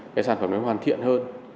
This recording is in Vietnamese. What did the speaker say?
cái sản phẩm mới hoàn thiện hơn